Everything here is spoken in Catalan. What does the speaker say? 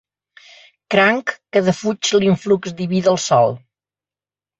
Cranc que defuig l'influx diví del sol.